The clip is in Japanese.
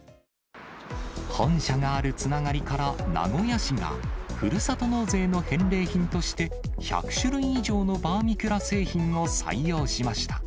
本社があるつながりから、名古屋市がふるさと納税の返礼品として、１００種類以上のバーミキュラ製品を採用しました。